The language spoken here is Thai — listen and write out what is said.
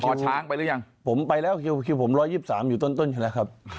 ช้างไปหรือยังผมไปแล้วคิวผม๑๒๓อยู่ต้นอยู่แล้วครับ